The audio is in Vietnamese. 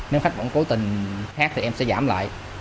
nếu khách vẫn cố tình hát thì em sẽ giảm lại